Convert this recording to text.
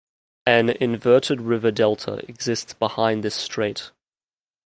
An inverted river delta exists behind this strait.